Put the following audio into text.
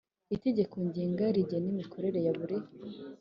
Itegeko Ngenga rigena imikorere ya buri